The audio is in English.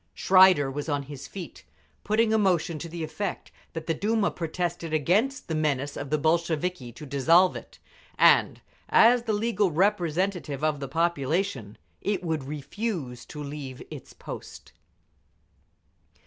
Schreider was on his feet, putting a motion to the effect that the Duma protested against the menace of the Bolsheviki to dissolve it, and as the legal representative of the population, it would refuse to leave its post.